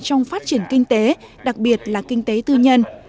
trong phát triển kinh tế đặc biệt là kinh tế tư nhân